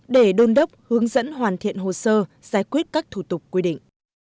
để đôn đốc hướng dẫn hoàn thiện hồ sơ giải quyết các thủ tục quy định